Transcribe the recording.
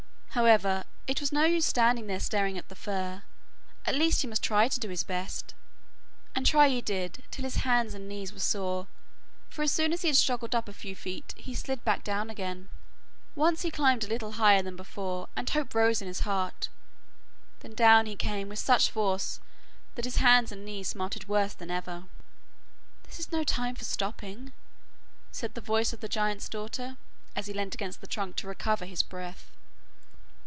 However, it was no use standing there staring at the fir, at least he must try to do his best, and try he did till his hands and knees were sore, for as soon as he had struggled up a few feet, he slid back again. Once he climbed a little higher than before, and hope rose in his heart, then down he came with such force that his hands and knees smarted worse than ever. 'This is no time for stopping,' said the voice of the giant's daughter, as he leant against the trunk to recover his breath.